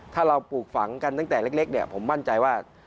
ถ้าเราปลูกฝังกันตั้งแต่เล็กเนี่ยผมมั่นใจว่า